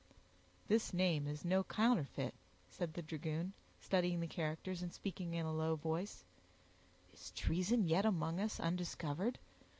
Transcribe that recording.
"This name is no counterfeit," said the dragoon, studying the characters, and speaking in a low voice; "is treason yet among us undiscovered?